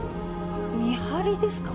見張りですか？